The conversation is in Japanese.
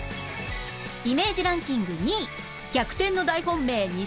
イメージランキング２位逆転の大本命西畑